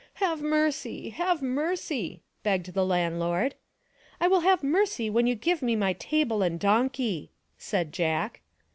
" Have mercy ! have mercy!." begged the landlord. " I will have mercy when you give me my table and donkey," said Jack.